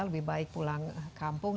lebih baik pulang kampung